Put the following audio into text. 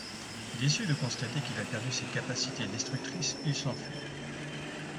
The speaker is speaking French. Déçu de constater qu'il a perdu ses capacités destructrices, il s'enfuit.